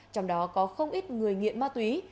trong đó có không ít người nghiện ma túy